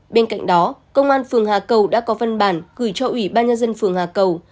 bên cạnh đó công an phường hà cầu đã có văn bản gửi cho ủy ban nhân dân phường hà cầu